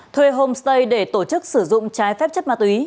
thuê homestay để tổ chức sử dụng trái phép chất ma túy